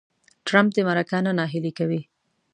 ټرمپ دې مرکه نه نهیلې کوي.